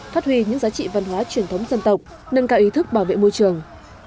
phát huy những giá trị văn hóa truyền thống dân tộc nâng cao ý thức bảo vệ môi trường